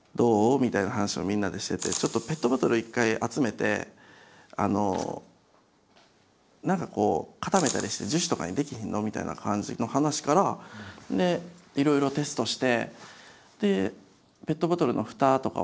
みたいな話をみんなでしててちょっとペットボトル一回集めてあの何かこう固めたりして樹脂とかに出来ひんの？みたいな感じの話からいろいろテストして。